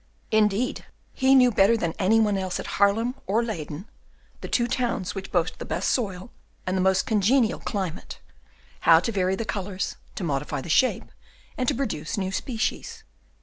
Indeed, he knew better than any one else at Haarlem or Leyden the two towns which boast the best soil and the most congenial climate how to vary the colours, to modify the shape, and to produce new species.